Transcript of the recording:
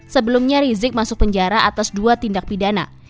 sebelumnya rizik masuk penjara atas dua tindak pidana